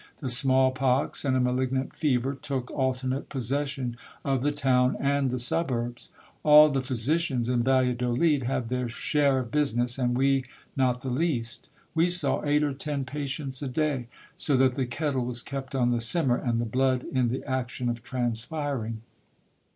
The smallpox and a malignant fever took alternate possession of the town and the suburbs. All the physicians in Valladolid had their share of 56 GIL BLAS. business, and we not the least. We saw eight or ten patients a day ; so that the kettle was kept on the simmer, and the blood in the action of transpiring.